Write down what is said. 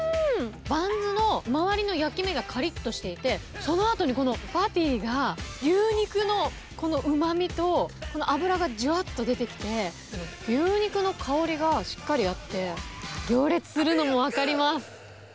バンズの周りの焼き目がかりっとしていて、そのあとにこのパティが、牛肉のこのうまみとこの脂がじゅわっと出てきて、牛肉の香りがしっかりあって、行列するのも分かります。